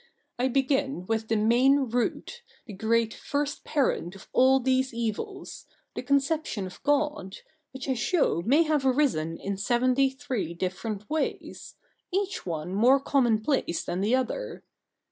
I begin with the main root, the great first parent of all these evils, the conception of (lod, which I show may have arisen in seventy three different ways, each one more commonplace than the other.